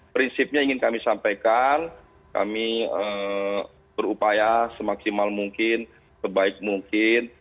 prinsipnya ingin kami sampaikan kami berupaya semaksimal mungkin sebaik mungkin